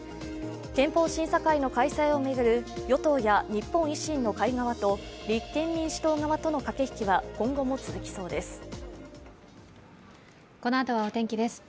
憲法審査会の開催を巡る与党や日本の維新の会側と立憲民主党との駆け引きは今後も続きそうです。